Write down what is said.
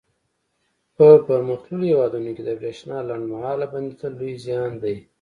په پرمختللو هېوادونو کې د برېښنا لنډ مهاله بندېدل لوی زیان دی.